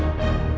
emang kamu setuju